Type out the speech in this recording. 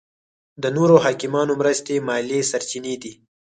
د نورو حاکمانو مرستې مالي سرچینې دي.